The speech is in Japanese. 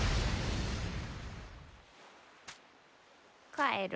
帰る。